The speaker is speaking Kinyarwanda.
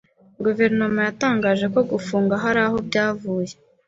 Guverinoma yatangaje ko gufunga hari aho byavuye